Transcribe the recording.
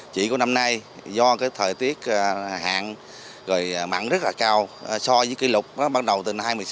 chỉ có năm nay do thời tiết hạn mặn rất là cao so với kỷ lục bắt đầu từ năm hai nghìn một mươi sáu